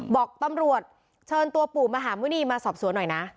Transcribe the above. บอกตำรวจเชิญตัวปู่มหาหมุณีมาสอบสวนหน่อยนะ